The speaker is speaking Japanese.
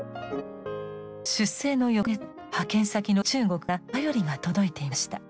出征の翌月派遣先の中国から便りが届いていました。